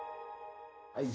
はい。